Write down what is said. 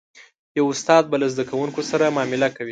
یو استاد به له زده کوونکو سره معامله کوي.